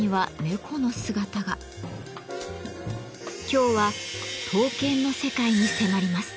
今日は刀剣の世界に迫ります。